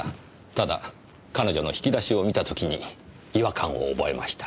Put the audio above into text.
ただ彼女の引き出しを見た時に違和感を覚えました。